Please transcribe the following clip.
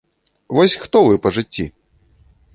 Вось хто вы па жыцці?